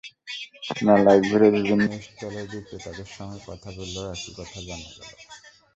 মেলায় ঘুরে বিভিন্ন স্টলের বিক্রেতাদের সঙ্গে কথা বলেও একই কথা জানা গেল।